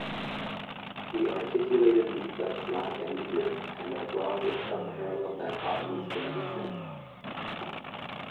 The articulated leaflets lack a midrib, and are broad with subparallel dichotomous venation.